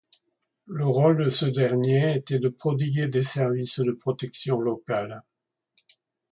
Le rôle de ce dernier était de prodiguer des services de protection locale.